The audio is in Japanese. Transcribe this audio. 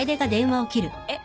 えっ？